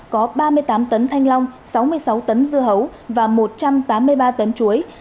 có ba mươi tám tấn thanh long sáu mươi sáu tấn dưa hấu và một trăm tám mươi ba tấn chuối